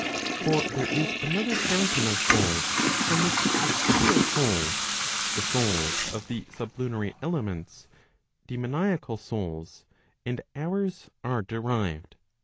For there is another fountain of souls from which etherial souls, the souls of the sublunary elements, dsemoniacal souls, and ours are derived.